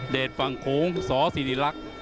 เดชฟังโขงศสิริรักษ์